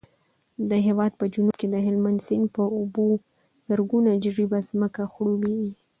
د هېواد په جنوب کې د هلمند سیند په اوبو زرګونه جریبه ځمکه خړوبېږي.